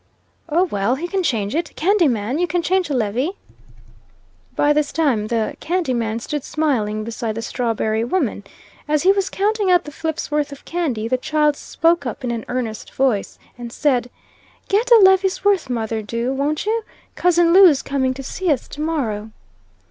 "Oh, well, he can change it. Candy man, you can change a levy?" By this time the "candy man" stood smiling beside the strawberry woman. As he was counting out the fip's worth of candy, the child spoke up in an earnest voice, and said: "Get a levy's worth, mother, do, wont you? Cousin Lu's coming to see us to morrow."